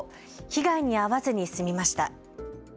被害に遭わずに済みました。